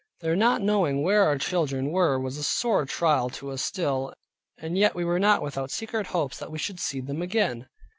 Their not knowing where our children were was a sore trial to us still, and yet we were not without secret hopes that we should see them again.